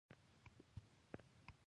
کله چې اقتصادي شیرازه له منځه یووړل شوه.